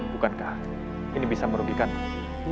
bukankah ini bisa merugikanmu